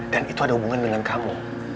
dan itu ada hubungan dengan kamu